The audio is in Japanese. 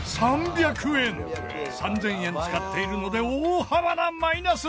３０００円使っているので大幅なマイナス！